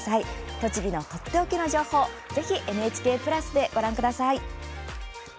栃木のとっておきの情報をぜひＮＨＫプラスでご覧ください。